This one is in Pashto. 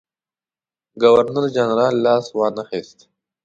ګورنرجنرال لاس وانه خیست.